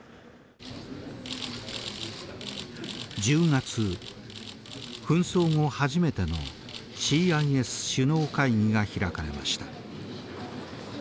１０月紛争後初めてのＣＩＳ首脳会議が開かれました。